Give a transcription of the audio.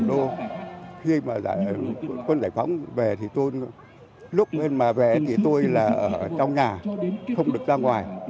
thì tôi là người dân thủ đô khi mà quân giải phóng về thì tôi lúc mà về thì tôi là ở trong nhà không được ra ngoài